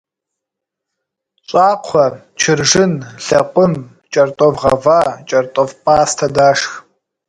Щӏакхъуэ, чыржын, лэкъум, кӏэртӏоф гъэва, кӏэртӏоф пӏастэ дашх.